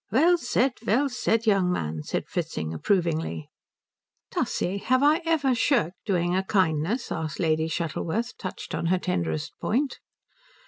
"Well said, well said, young man," said Fritzing approvingly. "Tussie, have I ever shirked doing a kindness?" asked Lady Shuttleworth, touched on her tenderest point.